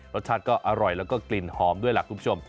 รสชาติก็อร่อยแล้วก็กลิ่นหอมด้วยล่ะคุณผู้ชม